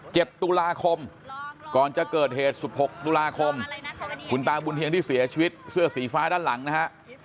ตุลาคมก่อนจะเกิดเหตุสิบหกตุลาคมคุณตาบุญเฮียงที่เสียชีวิตเสื้อสีฟ้าด้านหลังนะฮะ